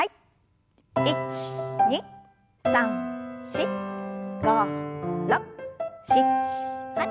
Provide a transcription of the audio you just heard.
１２３４５６７８。